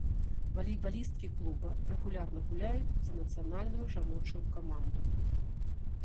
Валейбалісткі клуба рэгулярна гуляюць за нацыянальную жаночую каманду.